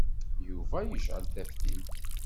Yuba yecɛel taftilt.